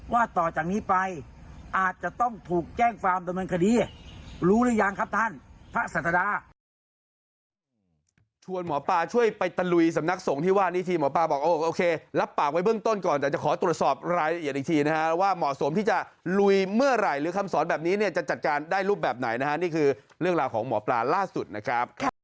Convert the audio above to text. ว่าต่อจากนี้ไปอาจจะต้องถูกแจ้งความดำเนินคดีรู้หรือยังครับท่านพระศาสดา